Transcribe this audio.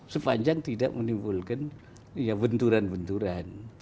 sepanjang tidak menimbulkan benturan benturan